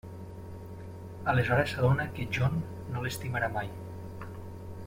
Aleshores s’adona que John no l'estimarà mai.